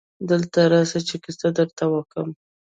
دلته راسه چي کیسه درته وکم.